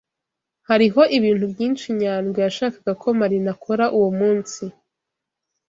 Hariho ibintu byinshi Nyandwi yashakaga ko Marina akora uwo munsi.